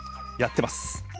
やってます！